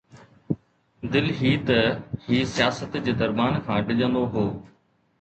دل هي ته هي سياست جي دربان کان ڊڄندو هو